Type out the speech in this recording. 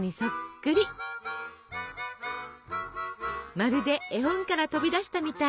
まるで絵本から飛び出したみたい。